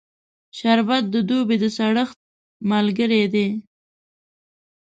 شربت د دوبی د سړښت ملګری دی